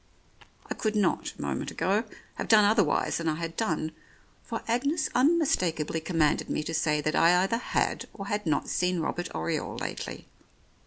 I could not, a moment ago, have done otherwise than I had done, for Agnes unmistakably commanded me to say that I either had or had not seen Robert Oriole lately.